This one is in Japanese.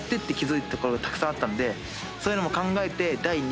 そういうのも考えて。